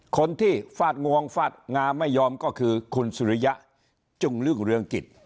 คนที่ฝาดงวงฝาดงาไม่ยอมก็คือคุณสุริยะจุ่งเรื่องกิจ